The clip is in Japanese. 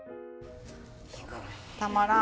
たまらん。